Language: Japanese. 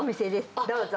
どうぞ。